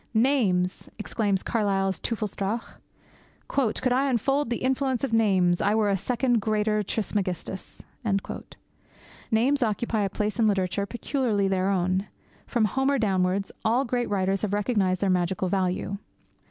'Names!' exclaims Carlyle's Teufelsdrockh. 'Could I unfold the influence of names, I were a second greater Trismegistus!' Names occupy a place in literature peculiarly their own. From Homer downwards, all great writers have recognized their magical value.